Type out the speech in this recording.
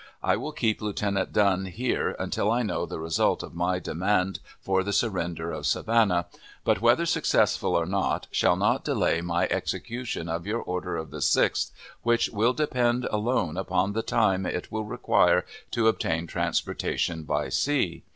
I will keep Lieutenant Dunn here until I know the result of my demand for the surrender of Savannah, but, whether successful or not, shall not delay my execution of your order of the 6th, which will depend alone upon the time it will require to obtain transportation by sea.